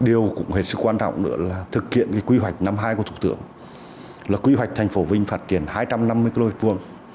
điều cũng hết sức quan trọng nữa là thực hiện quy hoạch năm hai của thủ tướng là quy hoạch thành phố vinh phát triển hai trăm năm mươi km hai